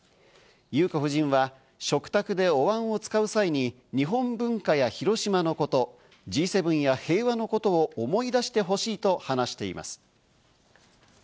裕子夫人は食卓でお椀を使う際に日本文化や広島のこと、Ｇ７や平和の事を思い出してほしいと話しています。